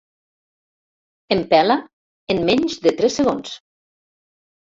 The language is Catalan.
Em pela en menys de tres segons.